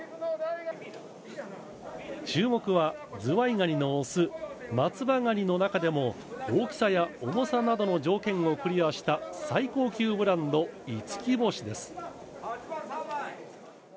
注目は、ズワイガニの雄、松葉ガニの中でも大きさや重さなどの条件をクリアした最高級ブランド、五輝星です。